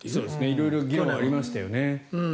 色々疑問はありましたよね。